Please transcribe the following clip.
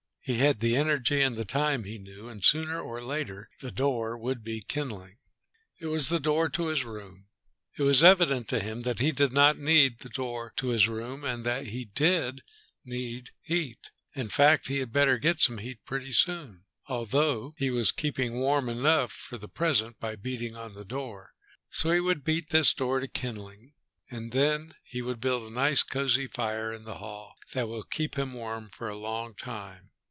He had the energy and the time, he knew, and sooner or later the door would be kindling. It was the door to his room. It was evident to him that he did not need the door to his room and that he did need heat. In fact he had better get some heat pretty soon although he was keeping warm enough for the present by beating on the door. So he would beat this door to kindling, and then he would build a nice, cozy fire in the hall that would keep him warm for a long time